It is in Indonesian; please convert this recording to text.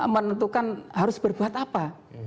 menentukan harus berbuat apa